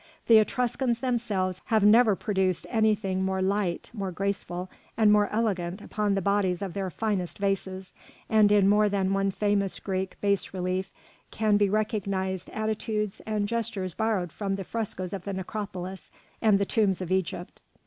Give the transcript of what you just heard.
The Etruscans themselves have never produced anything more light, more graceful, and more elegant upon the bodies of their finest vases, and in more than one famous Greek bas relief can be recognised attitudes and gestures borrowed from the frescoes of the necropolis and the tombs of Egypt.